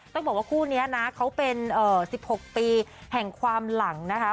ต้องบอกว่าคู่นี้นะเขาเป็น๑๖ปีแห่งความหลังนะคะ